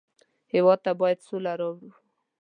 هېواد ته باید سوله راوړو